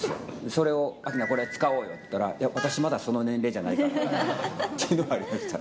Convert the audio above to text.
それを明奈、これ、使おうよって言ったら、私、まだその年齢じゃないからって言われました。